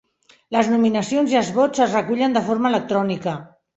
Les nominacions i els vots es recullen de forma electrònica.